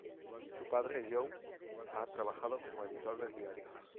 Su padre, Joe, ha trabajado como editor del diario.